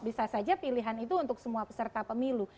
bisa saja pilihan itu untuk semua peserta pemilu